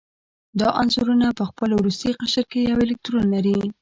دا عنصرونه په خپل وروستي قشر کې یو الکترون لري.